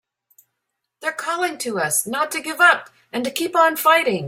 They're calling to us not to give up and to keep on fighting!